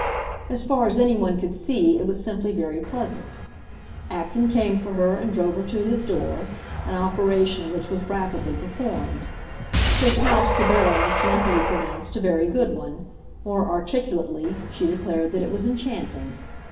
As far as anyone could see, it was simply very pleasant. Acton came for her and drove her to his door, an operation which was rapidly performed. His house the Baroness mentally pronounced a very good one; more articulately, she declared that it was enchanting.